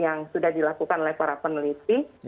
yang sudah dilakukan oleh para peneliti